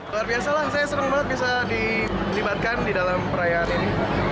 luar biasa lah saya seru banget bisa dilibatkan di dalam perayaan ini